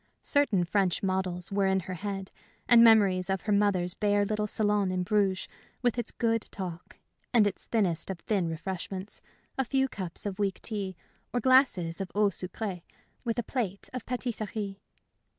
Certain French models were in her head, and memories of her mother's bare little salon in Bruges, with its good talk, and its thinnest of thin refreshments a few cups of weak tea, or glasses of eau sucrée, with a plate of patisserie.